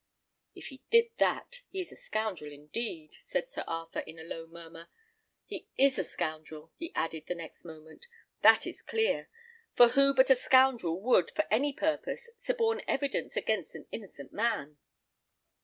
"If he did that, he is a scoundrel indeed," said Sir Arthur, in a low murmur. "He is a scoundrel," he added, the next moment; "that is clear: for who but a scoundrel would, for any purpose, suborn evidence against an innocent man?"